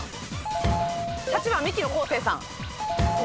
８番ミキの昴生さん。